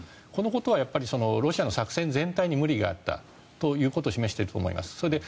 このことはロシアの作戦全体に無理があったということを示していると思います。